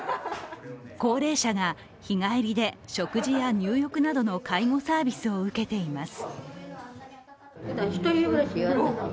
高齢者が日帰りで食事や入浴などの介護サービスを受けています。